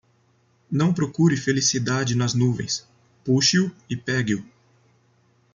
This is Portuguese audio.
Não procure felicidade nas nuvens; Puxe-o e pegue-o!